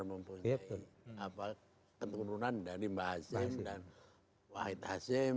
mempunyai keturunan dari mbah hasim dan wahid hasim